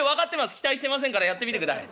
期待してませんからやってみてください。